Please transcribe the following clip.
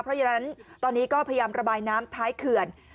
เพราะฉะนั้นตอนนี้ก็พยายามระบายน้ำท้ายเขื่อน